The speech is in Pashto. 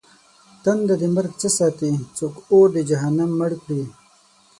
تنده د مرگ څه ساتې؟! څوک اور د جهنم مړ کړي؟!